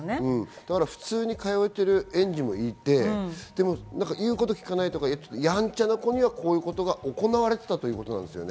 普通に通えている園児もいて、でも言うことを聞かないとか、やんちゃな子にはこういうことが行われていたということですよね。